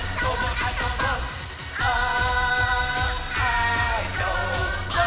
「あそぼー！」